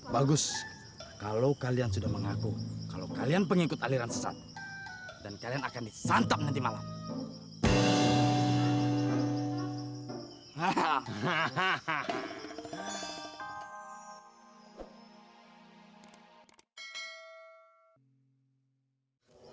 bagus kalau kalian sudah mengaku kalau kalian pengikut aliran sesat dan kalian akan disantap nanti malam